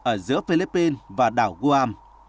ở giữa philippines và đảo guam